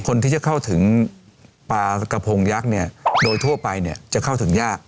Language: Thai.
คนที่จะเข้าถึงปลากระพงยักษ์เนี่ยโดยทั่วไปเนี่ยจะเข้าถึงยาก